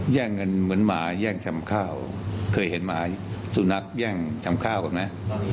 แย่งกันเหมือนหมาแย่งชำข้าวเคยเห็นหมาสุนัขแย่งชำข้าวก่อนไหม